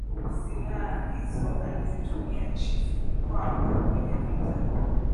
silaha hizo alizitumia chifu mkwawa kwenye vita